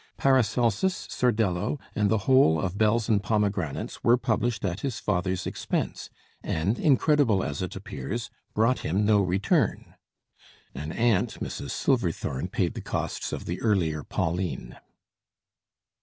'Paracelsus,' 'Sordello,' and the whole of 'Bells and Pomegranates' were published at his father's expense, and, incredible as it appears, brought him no return." An aunt, Mrs. Silverthorne, paid the costs of the earlier 'Pauline.'